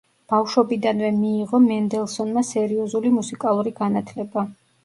ბავშვობიდანვე მიიღო მენდელსონმა სერიოზული მუსიკალური განათლება.